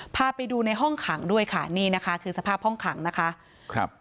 พาไปดูในห้องขังด้วยค่ะนี่นะคะคือสภาพห้องขังนะคะครับ